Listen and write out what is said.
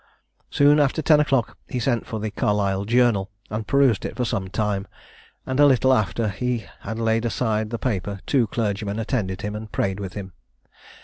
Soon after ten o'clock he sent for the "Carlisle Journal," and perused it for some time, and a little after he had laid aside the paper, two clergymen attended him, and prayed with him.